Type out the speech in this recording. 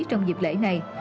trong dịp lễ này